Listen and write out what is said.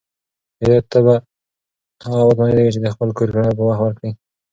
ایا هغه به وتوانیږي چې د خپل کور کرایه په وخت ورکړي؟